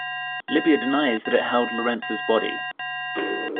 Libya denies that it held Lorence's body.